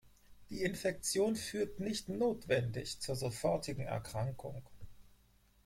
Die Infektion führt nicht notwendig zur sofortigen Erkrankung.